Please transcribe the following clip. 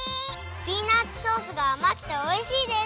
ピーナツソースがあまくておいしいです！